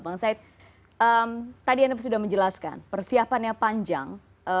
bang said tadi anda sudah menjelaskan persiapannya panjang